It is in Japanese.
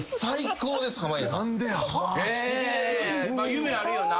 夢あるよな。